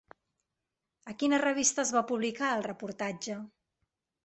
A quina revista es va publicar el reportatge?